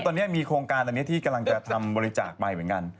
ตอนนี้มีโครงการอันนี้ที่กำลังจะทำบริจาคไปเหมือนกัน